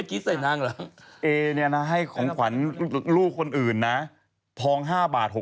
กระเทยเก่งกว่าเออแสดงความเป็นเจ้าข้าว